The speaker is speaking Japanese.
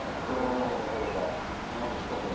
ちょっとメニューのほうが何ですか？